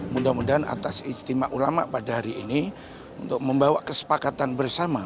mudah mudahan atas istimewa ulama pada hari ini untuk membawa kesepakatan bersama